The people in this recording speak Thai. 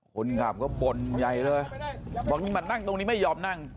คนขับก็บ่นใหญ่เลยบอกนี่มานั่งตรงนี้ไม่ยอมนั่ง